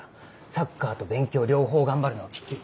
サッカーと勉強両方頑張るのはキツい。